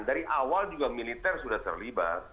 dari awal juga militer sudah terlibat